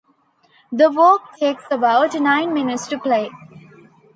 The work takes about nine minutes to play.